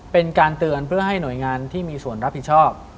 เป็นการเตือนเพื่อให้หน่วยงานที่มีส่วนรับผิดชอบ